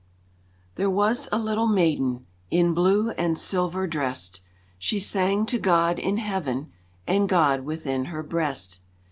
There was a little maiden In blue and silver drest, She sang to God in Heaven And God within her breast.